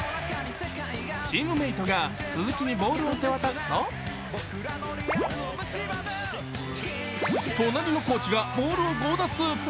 チームメートが鈴木にボールを手渡すと隣のコーチがボールを強奪。